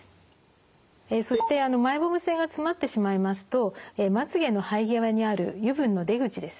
そしてマイボーム腺が詰まってしまいますとまつげの生え際にある油分の出口ですね